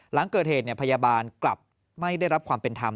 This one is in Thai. หลังเกิดเหตุพยาบาลกลับไม่ได้รับความเป็นธรรม